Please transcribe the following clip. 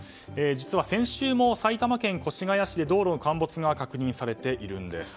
実は先週も埼玉県越谷市で道路の陥没が確認されています。